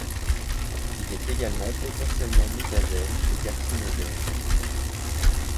Il est également potentiellement mutagène et carcinogène.